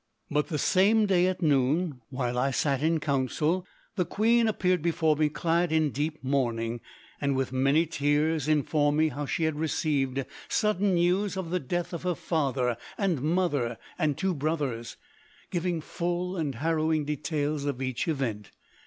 "But the same day at noon, while I sat in council, the queen appeared before me clad in deep mourning, and with many tears informed me how she had received sudden news of the death of her father and mother and two brothers, giving full and harrowing details of each event.